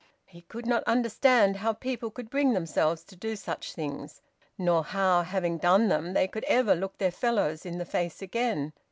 He could not understand how people could bring themselves to do such things, nor how, having done them, they could ever look their fellows in the face again.